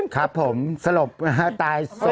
ครับผมสลบตายศพ